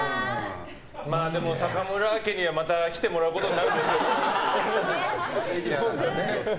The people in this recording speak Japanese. でも坂村家にはまた来てもらうことになるでしょうね。